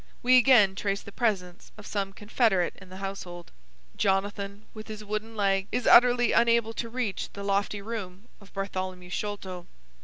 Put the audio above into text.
We again trace the presence of some confederate in the household. Jonathan, with his wooden leg, is utterly unable to reach the lofty room of Bartholomew Sholto.